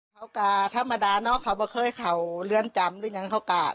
เขากะธรรมดาเนอะเขาก็เคยเข้าเรือนจำหรือยังเขากล้า